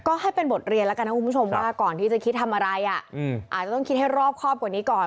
ก็ให้เป็นบทเรียนแล้วกันนะคุณผู้ชมว่าก่อนที่จะคิดทำอะไรอาจจะต้องคิดให้รอบครอบกว่านี้ก่อน